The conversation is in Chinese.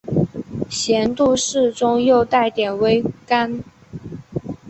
咸度适中又带点微甘